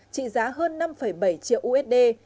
tỷ giá hơn năm bảy triệu usd